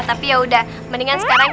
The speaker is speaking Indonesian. tapi yaudah mendingan sekarang